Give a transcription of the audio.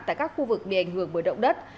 tại các khu vực bị ảnh hưởng bởi động đất